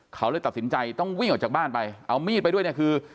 เขาเลยตัดสินใจต้องวิ่งออกจากบ้านไปเอามีดไปด้วยเนี่ยคือ